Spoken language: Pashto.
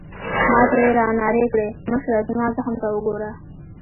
ما ته يې رانارې کړې: مشره، زما زخم ته وګوره.